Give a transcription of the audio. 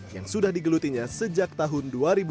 yang sudah digelutinya sejak tahun dua ribu